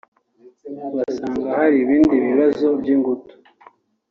basanga hari ibindi bibazo by’ingutu